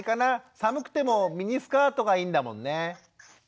寒くてもミニスカートがいいんだもんね。